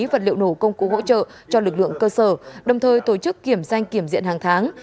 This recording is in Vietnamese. vật liệu nổ công cụ hỗ trợ cho lực lượng cơ sở đồng thời tổ chức kiểm danh kiểm diện hàng tháng